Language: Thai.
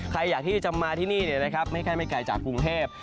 ใครอยากมาที่นี่ไม่ใช่ใกล้จากกรุงเทพ